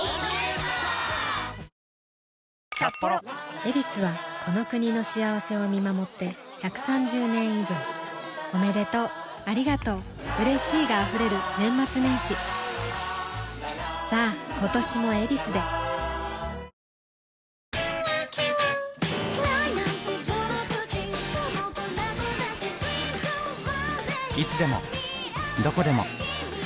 「ヱビス」はこの国の幸せを見守って１３０年以上おめでとうありがとううれしいが溢れる年末年始さあ今年も「ヱビス」で私にお話が？